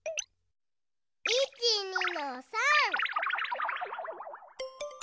いちにのさん！